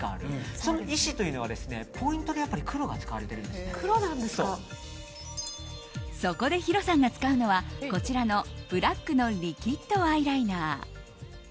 その意思というのはポイントでやっぱりそこでヒロさんが使うのはこちらのブラックのリキッドアイライナー。